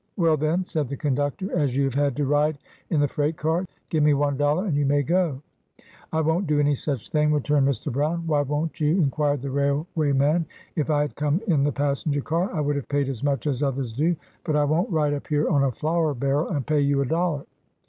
"Well, then," said the conductor, " as you have had to ride in the freight car, give me one dollar and you may go." "I won 't do any such thing," returned Mr. Brown. "Why won't you ?" inquired the railway man. " If I had come in the passenger car, I would have paid as much as others do; but I won 't ride up here on a flour barrel, and pay you a dollar."